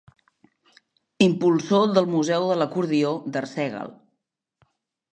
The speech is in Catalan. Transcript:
Impulsor del Museu de l'Acordió d'Arsèguel.